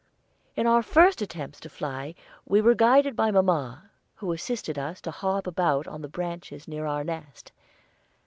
In our first attempts to fly we were guided by mamma, who assisted us to hop about on the branches near our nest.